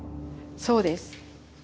そうです。